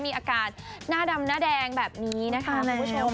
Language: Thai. มีอากาศหน้าดำหน้าแดงแบบนี้นะคะคุณผู้ชม